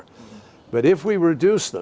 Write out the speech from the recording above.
tapi jika kita mengurangkannya